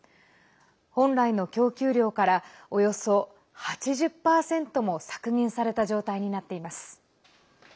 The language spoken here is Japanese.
本来の供給量からおよそ８０％も削減された状態になっています。